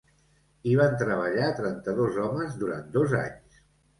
Hi van treballar trenta-dos homes durant dos anys.